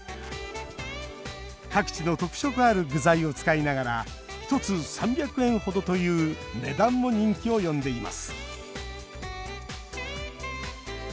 各地の特色ある具材を使いながら１つ３００円程という値段も人気を呼んでいます。